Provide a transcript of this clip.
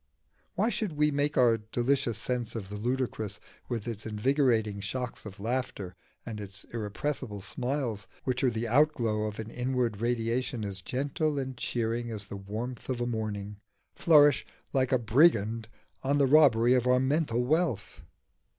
Why should we make our delicious sense of the ludicrous, with its invigorating shocks of laughter and its irrepressible smiles which are the outglow of an inward radiation as gentle and cheering as the warmth of morning, flourish like a brigand on the robbery of our mental wealth?